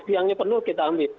siangnya penuh kita ambil